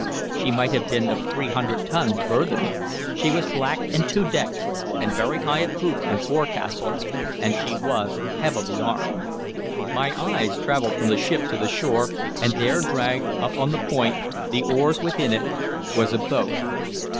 She might have been of three hundred tons burthen; she was black and two decked, and very high at poop and forecastle, and she was heavily armed. My eyes traveled from the ship to the shore, and there dragged up on the point, the oars within it, was a boat.